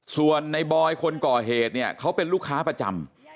ส่วนในบอยคนก่อเหตุเนี่ยเขาเป็นลูกค้าประจำ